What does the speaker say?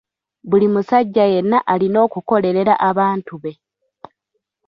Buli musajja yenna alina okukolerera abantu be.